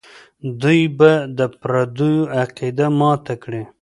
دوی به د پردیو عقیده ماته کړي.